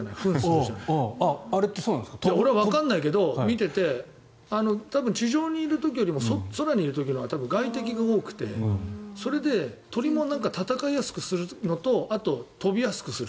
わかんないけど地上にいる時よりも空にいる時のほうが外敵が多くてそれで鳥も戦いやすくするのとあとは飛びやすくする。